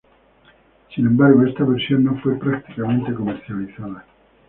Sin embargo, esta versión no fue prácticamente comercializada.